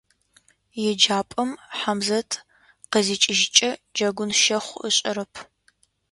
ЕджапӀэм Хьамзэт къызикӀыжькӀэ, джэгун щэхъу ышӀэрэп.